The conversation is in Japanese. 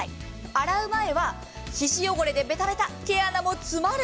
洗う前は皮脂汚れでベタベタ、毛穴も詰まる。